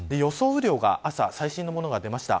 雨量が朝、最新のものが出ました。